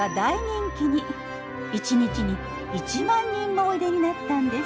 １日に１万人もおいでになったんです。